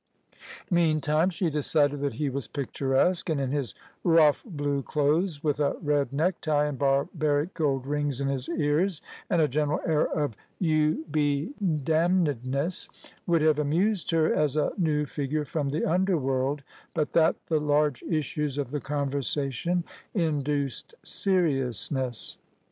Meantime, she decided that he was picturesque, and, in his rough blue clothes, with a red neck tie and barbaric gold rings in his ears, and a general air of "you be damnedness," would have amused her as a new figure from the underworld, but that the large issues of the conversation induced seriousness.